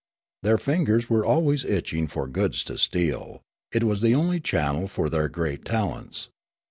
Their fingers were always itching for goods to steal ; it was the only channel for their great talents.